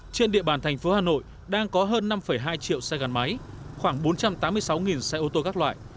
trên địa bàn thành phố hà nội đang có hơn năm hai triệu xe gắn máy khoảng bốn trăm tám mươi sáu xe ô tô các loại